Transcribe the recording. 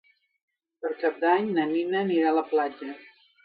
Per Cap d'Any na Nina anirà a la platja.